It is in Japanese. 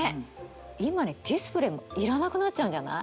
今にディスプレイもいらなくなっちゃうんじゃない？